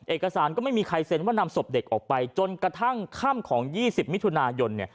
เอกสารก็ไม่มีใครเซ็นว่านำศพเด็กออกไปจนกระทั่งค่ำของ๒๐มิถุนายน